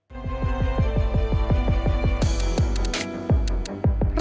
เมื่อวานที่สำรวจทีวีเราไปสำรวจที่ท่ากาศยานสวนภูมิเพิ่มนะครับ